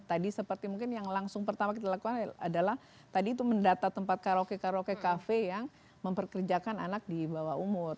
tadi seperti mungkin yang langsung pertama kita lakukan adalah tadi itu mendata tempat karaoke karaoke cafe yang memperkerjakan anak di bawah umur